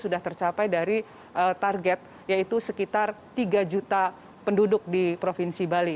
sudah tercapai dari target yaitu sekitar tiga juta penduduk di provinsi bali